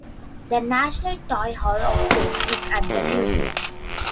The National Toy Hall of Fame is at the museum.